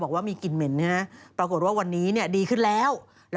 ก็มีหลายหน่วยงานแล้วนะ